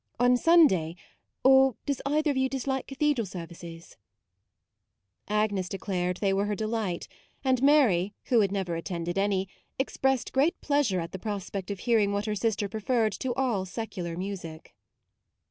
On Sun day or does either of you dislike cathedral services ?" Agnes declared they were her de light; and Mary, who had never attended any, expressed great pleas ure at the prospect of hearing what her sister preferred to all secular music.